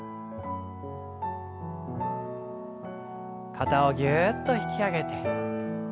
肩をぎゅっと引き上げて下ろして。